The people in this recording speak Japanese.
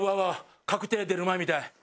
確定出る前みたい。